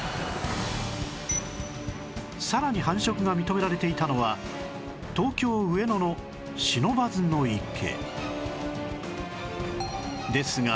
さらに繁殖が認められていたのは東京上野の不忍池